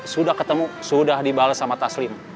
sudah ketemu sudah dibalas sama taslim